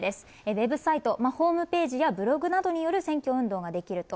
ウェブサイト、ホームページやブログなどによる選挙運動ができると。